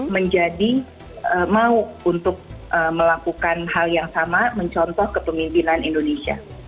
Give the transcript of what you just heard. menjadi mau untuk melakukan hal yang sama mencontoh kepemimpinan indonesia